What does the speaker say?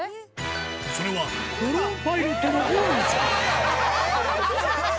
それは、ドローンパイロットの大野さん。